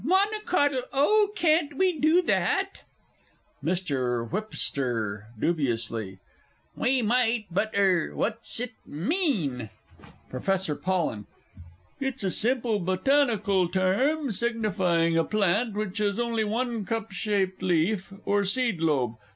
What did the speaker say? Monocottle Oh, can't we do that? MR. WH. (dubiously). We might but er what's it mean? PROF. POLLEN. It's a simple botanical term, signifying a plant which has only one cup shaped leaf, or seed lobe.